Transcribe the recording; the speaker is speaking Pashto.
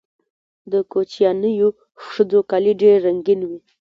د کوچیانیو ښځو کالي ډیر رنګین وي.